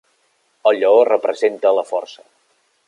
El lleó representa la força.